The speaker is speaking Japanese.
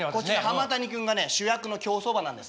浜谷君がね主役の競走馬なんです。